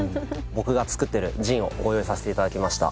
僕が造っているジンをご用意させて頂きました。